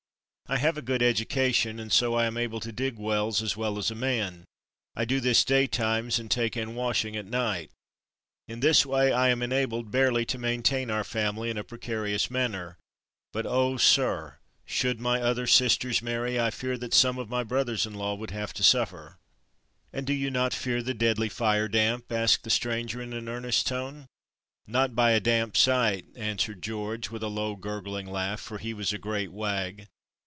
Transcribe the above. "I have a good education, and so I am able to dig wells as well as a man. I do this day times and take in washing at night. In this way I am enabled barely to maintain our family in a precarious manner; but, oh, sir, should my other sisters marry, I fear that some of my brothers in law would have to suffer." "And do you not fear the deadly fire damp?" asked the stranger in an earnest tone. "Not by a damp sight," answered George, with a low gurgling laugh, for he was a great wag.